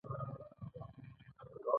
د پاچاهۍ وقار له خاورو سره خاورې شو.